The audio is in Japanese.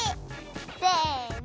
せの。